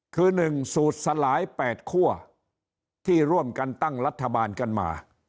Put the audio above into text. คือ๑สูตรสลาย๘คั่วที่ร่วมกันตั้งรัฐบาลกันมา